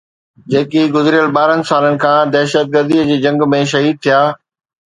جيڪي گذريل ٻارهن سالن کان دهشتگرديءَ جي جنگ ۾ شهيد ٿيا